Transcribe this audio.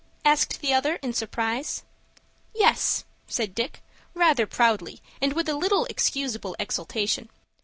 asked the other, in surprise. "Yes," said Dick, rather proudly, and with a little excusable exultation.